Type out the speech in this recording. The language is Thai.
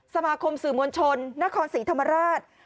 สมาคมสื่อมวลชนนครศรีธรรมราช